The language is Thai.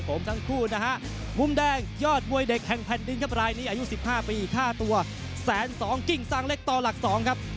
อ่ะเป็นยังไงวันนี้ยอดมวยเด็กแห่งแผ่นดินครับรายนี้อายุ๑๕ปีค่าตัว๑๒๐๐๐๐กิ้งสางเล็กต่อหลัก๒ครับ